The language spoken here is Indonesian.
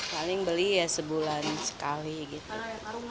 paling beli ya sebulan sekali gitu